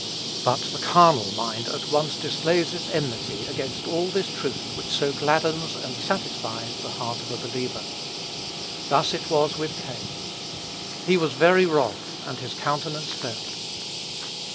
But the carnal mind at once displays its enmity against all this truth which so gladdens and satisfies the heart of a believer. Thus it was with Cain. "He was very wroth, and his countenance fell."